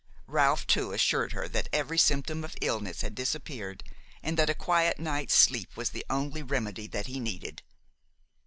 Ralph, too, assured her that every symptom of illness had disappeared and that a quiet night's sleep was the only remedy that he needed.